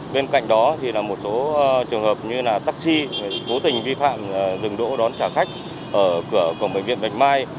bên cạnh đó một số trường hợp như taxi cố tình vi phạm dừng đỗ đón trả khách ở cửa bệnh viện bạch mai